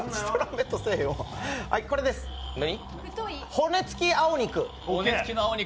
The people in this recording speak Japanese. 骨つき青肉。